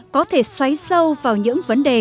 có thể xoáy sâu vào những vấn đề